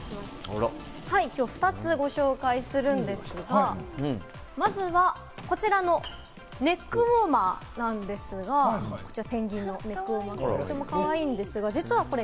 きょうは２つご紹介するんですが、まずはこちらのネックウォーマーなんですが、こちらペンギンのネックウォーマー、かわいいんですが、実はこれ、